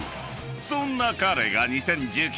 ［そんな彼が２０１９年